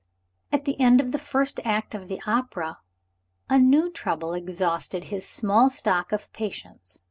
At the end of the first act of the opera, a new trouble exhausted his small stock of patience.